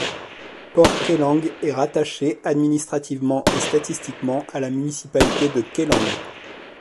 Port Kelang est rattaché, administrativement et statistiquement à la municipalité de Kelang.